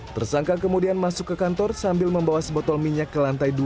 tersangka kemudian masuk ke kantor sambil membawa sebotol minyak ke lantai dua